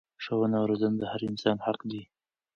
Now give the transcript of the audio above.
ښوونه او روزنه د هر انسان حق دی.